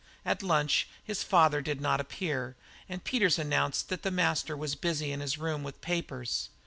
At lunch his father did not appear, and Peters announced that the master was busy in his room with papers.